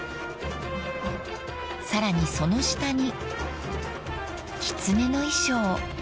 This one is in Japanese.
さらにその下にキツネの衣装］